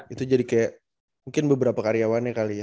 itu jadi kayak mungkin beberapa karyawannya kali ya